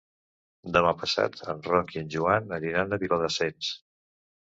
Demà passat en Roc i en Joan aniran a Viladasens.